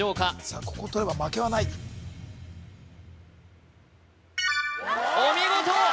さあここをとれば負けはないお見事！